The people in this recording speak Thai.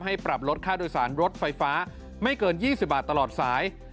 ปรับลดค่าโดยสารรถไฟฟ้าไม่เกิน๒๐บาทตลอดสาย